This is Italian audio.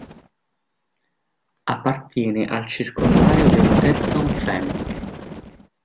Appartiene al circondario del Teltow-Fläming.